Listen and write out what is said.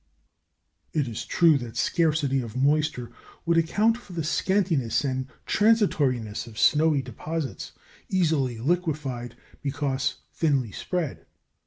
It is true that scarcity of moisture would account for the scantiness and transitoriness of snowy deposits easily liquefied because thinly spread.